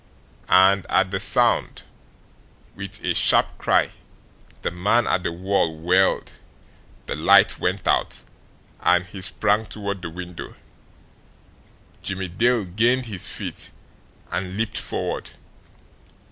And at the sound, with a sharp cry, the man at the wall whirled, the light went out, and he sprang toward the window. Jimmie Dale gained his feet and leaped forward.